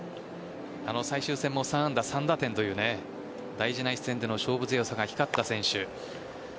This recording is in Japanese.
最終戦も３安打３打点という大事な一戦での勝負強さが光った選手。